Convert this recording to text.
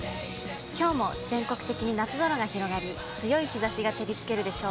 きょうも全国的に夏空が広がり、強い日ざしが照りつけるでしょう。